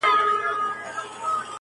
توزنه هيله د خداى د کرمه وتلې ده.